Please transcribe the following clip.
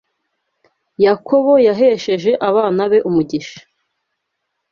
Yakobo yahesheje abana be umugisha